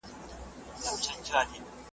زه پرون سندري اورم وم؟!